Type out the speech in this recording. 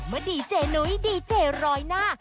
เมื่อดีเจนุ้ยดีเจรอยหน้า